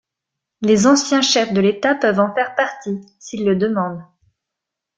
Les anciens chefs de l'État peuvent en faire partie, s'ils le demandent.